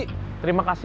apakah ini kebenaran abis